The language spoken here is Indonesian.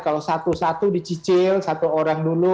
kalau satu satu dicicil satu orang dulu